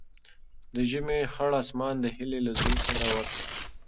د ژمي خړ اسمان د هیلې له زړه سره ورته و.